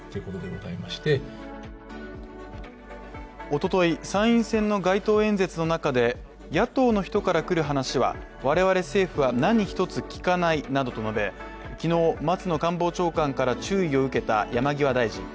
おととい、参院選の街頭演説の中で野党の人から来る話は我々政府は何一つ聞かないなどと述べ昨日、松野官房長官から注意を受けた山際大臣。